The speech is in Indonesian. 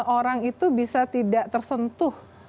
orang itu bisa tidak tersentuh